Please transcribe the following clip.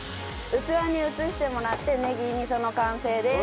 器に移してもらってねぎ味噌の完成です。